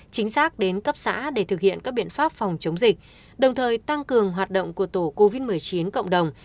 chính xác đến cấp xã để thực hiện các biện pháp phòng chống dịch đồng thời tăng cường hoạt động của tổ covid một mươi chín cộng đồng